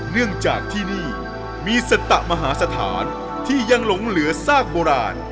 เนื่องจากที่นี่มีสตะมหาสถานที่ยังหลงเหลือซากโบราณ